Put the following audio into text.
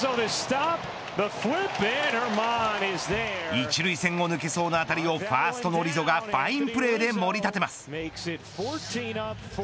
１塁線を抜けそうな当たりをファーストのリゾがファインプレーでもり立てます。